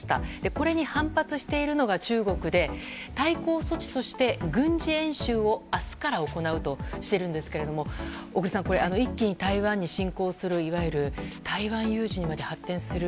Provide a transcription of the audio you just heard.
これに反発しているのが中国で対抗措置として軍事演習を明日から行うとしているんですけれども小栗さん、一気に台湾に侵攻するいわゆる台湾有事にまで発展する